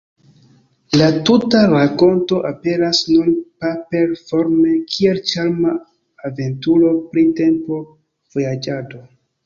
La tuta rakonto aperas nun paper-forme kiel ĉarma aventuro pri tempo-vojaĝado.